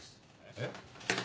えっ？